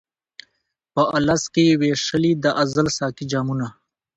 په الست کي یې وېشلي د ازل ساقي جامونه